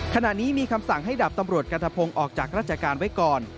ขณะนี้มีคำสั่งให้ดาบตำรวจกันทะพงศ์ออกจากราชการไว้ก่อน